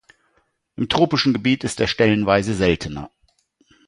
Im tropischen Gebiet ist er stellenweise seltener.